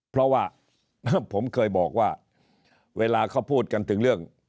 เพราะว่าผมเคยบอกว่าเวลาเขาพูดกันถึงเรื่อง